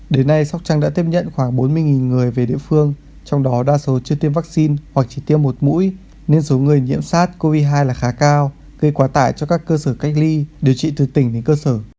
đến nay sóc trăng đã tiếp nhận khoảng bốn mươi người về địa phương trong đó đa số chưa tiêm vaccine hoặc chỉ tiêm một mũi nên số người nhiễm sars cov hai là khá cao gây quá tải cho các cơ sở cách ly điều trị từ tỉnh đến cơ sở